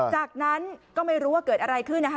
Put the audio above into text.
จากนั้นก็ไม่รู้ว่าเกิดอะไรขึ้นนะคะ